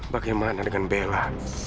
bagaimana dengan bella